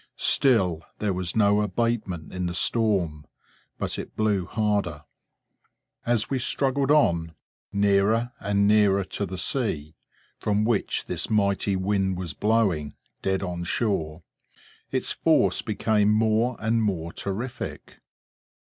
Still, there was no abatement in the storm, but it blew harder. As we struggled on, nearer and nearer to the sea, from which this mighty wind was blowing dead on shore, its force became more and more terrific.